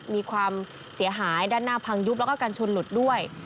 มีความเสียหายด้านหน้าพังยุบแล้วก็การชนหลุดด้วย